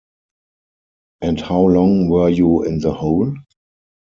And how long were you in the hole?